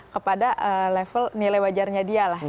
kepada level nilai wajarnya dia lah